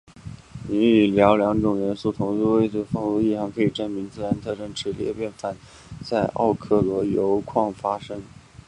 钕和钌两种元素同位素丰度的异常可以证明自持性裂变核反应曾在奥克洛铀矿发生。